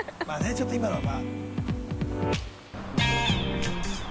ちょっと今のは。